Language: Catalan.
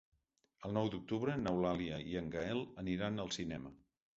El nou d'octubre n'Eulàlia i en Gaël aniran al cinema.